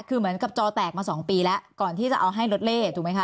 คือเหมือนกับจอแตกมา๒ปีแล้วก่อนที่จะเอาให้รถเล่ถูกไหมคะ